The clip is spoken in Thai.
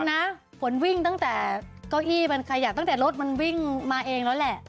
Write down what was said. นะฝนวิ่งตั้งแต่เก้าอี้มันขยะตั้งแต่รถมันวิ่งมาเองแล้วแหละ